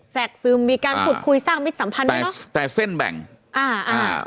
กซึมมีการพูดคุยสร้างมิตรสัมพันธ์ด้วยเนอะแต่เส้นแบ่งอ่าอ่า